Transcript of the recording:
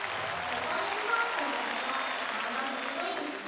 お金に関してはさすが勘が鋭いですね。